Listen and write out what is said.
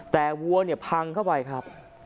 แต่วัวเนี่ยพังเข้าไปครับ